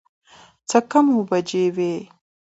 څه کم اووه بجې وې.